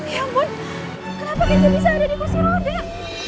ya ampun kenapa kita bisa ada di kursi roda